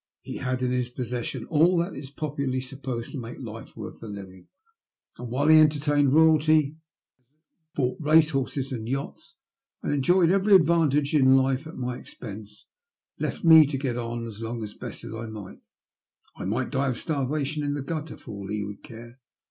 He had in his possession all that is popularly supposed to make life worth the living, and while he entertained royalty, bought race horses and yachts, and enjoyed every advantage in life at my expense, left me to get along as best I might. I might die of starvation in the gutter for all he would care.